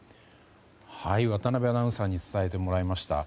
渡辺アナウンサーに伝えてもらいました。